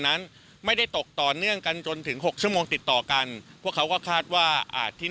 ได้จัดเตรียมความช่วยเหลือประบบพิเศษสี่ชน